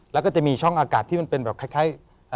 แล้วก็จะมีช่องอากาศที่มันเป็นแบบคล้าย